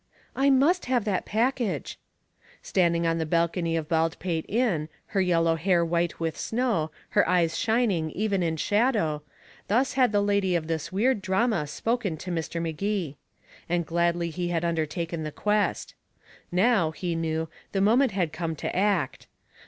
"I must have that package." Standing on the balcony of Baldpate Inn, her yellow hair white with snow, her eyes shining even in shadow, thus had the lady of this weird drama spoken to Mr. Magee. And gladly he had undertaken the quest. Now, he knew, the moment had come to act.